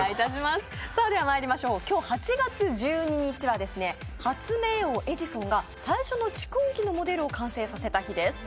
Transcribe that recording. ではまいりましょう、今日８月１２日は、発明王エジソンが最初の蓄音機のモデルを発明した日です。